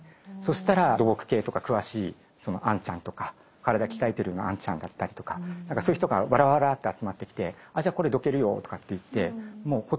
そしたら土木系とか詳しいそのあんちゃんとか体鍛えてるようなあんちゃんだったりとか何かそういう人がわらわらって集まってきてあじゃあこれどけるよとかって言ってもう